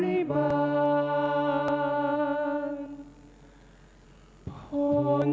สติปากที่เกียรติชะเธอ